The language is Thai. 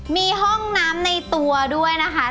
มีห้องน้ำในตัวด้วยนะคะ